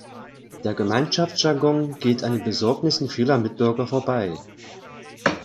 Der Gemeinschaftsjargon geht an den Besorgnissen vieler Mitbürger vorbei.